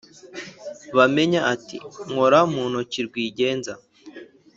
bamenya, ati "nkora mu ntoki rwigenza !